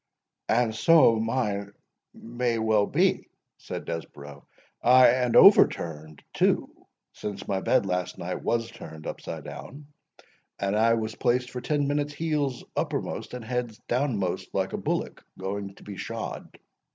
"And so mine well may," said Desborough, "ay, and overturned too, since my bed last night was turned upside down, and I was placed for ten minutes heels uppermost, and head downmost, like a bullock going to be shod."